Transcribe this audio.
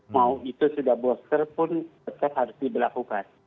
mau itu sudah booster pun tetap harus diberlakukan